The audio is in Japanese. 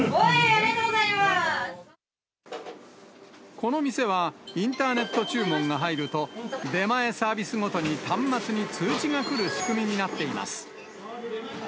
この店はインターネット注文が入ると、出前サービスごとに端末に通知が来る仕組みになっています。